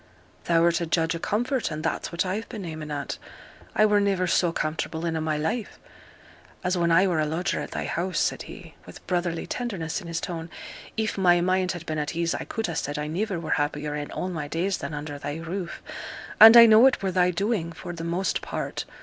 'Thou'rt a judge o' comfort, and that's what I've been aiming at. I were niver so comfortable in a' my life as when I were a lodger at thy house,' said he, with brotherly tenderness in his tone. 'If my mind had been at ease I could ha' said I niver were happier in all my days than under thy roof; and I know it were thy doing for the most part.